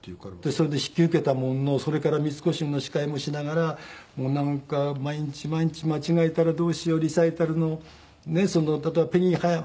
それで引き受けたもののそれから三越の司会もしながらなんか毎日毎日間違えたらどうしようリサイタルのねっ。